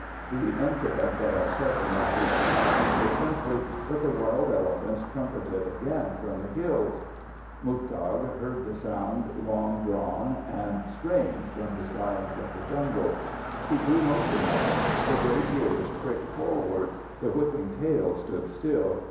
The incident that upset the mahout's plans was simply that the wild elephants trumpeted again from the hills. Muztagh heard the sound, long drawn and strange from the silence of the jungle. He grew motionless. The great ears pricked forward, the whipping tail stood still.